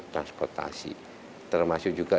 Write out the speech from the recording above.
transportasi termasuk juga